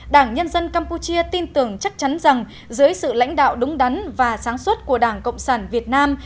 đảng nhân dân campuchia tin tưởng chắc chắn rằng dưới sự lãnh đạo đúng đắn và sáng suốt của đảng cộng sản việt nam